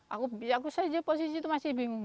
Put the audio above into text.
aku saja posisi itu masih bingung